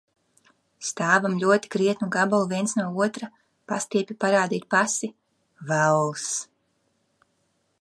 Stāvam ļoti krietnu gabalu viens no otra, pastiepju parādīt pasi. Vells!